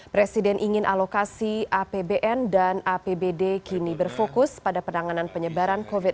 presiden ingin alokasi apbn dan apbd kini berfokus pada penanganan penyebaran covid sembilan belas